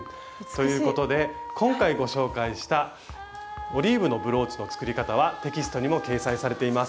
ということで今回ご紹介した「オリーブのブローチ」の作り方はテキストにも掲載されています。